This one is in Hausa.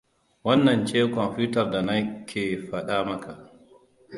Wannan ce kwamfutar da na ke fada maka.